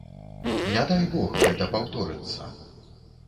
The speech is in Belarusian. Не дай бог гэта паўторыцца.